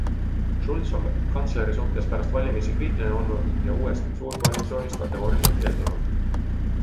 Schulz on kantsleri suhtes pärast valimisi kriitiline olnud ja uuest suurkoalitsioonist kategooriliselt keeldunud.